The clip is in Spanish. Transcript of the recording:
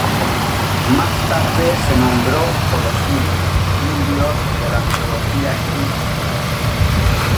Más tarde se nombró por Osiris, un dios de la mitología egipcia.